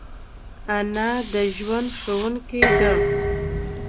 انا د ژوند ښوونکی ده